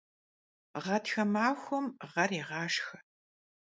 Ğatxe maxuem ğer yêğaşşxe.